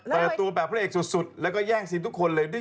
เปิดตัวแบบพระเอกสุดแล้วก็แย่งซีนทุกคนเลย